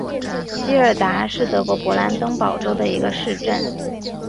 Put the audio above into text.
席尔达是德国勃兰登堡州的一个市镇。